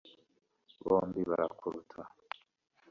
bombi barakuruta